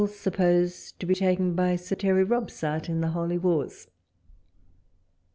'iupjHised to be taken by Sir Terry Robsart in the holy wars.